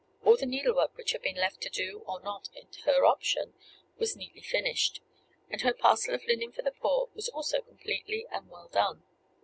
All the needlework which had been left to do or not, at her option, was neatly finished; and her parcel of linen for the poor was also completely and well done.